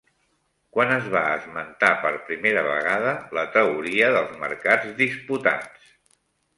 Quan es va esmentar per primera vegada la teoria dels mercats disputats?